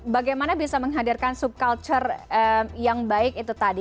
bagaimana bisa menghadirkan sub kultur yang baik itu tadi